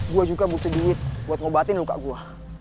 gue juga bukti duit buat ngobatin luka gue